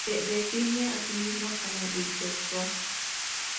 Se define a sí misma como bisexual.